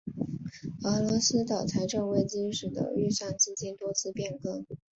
俄罗斯的财政危机使得预算金额多次变更。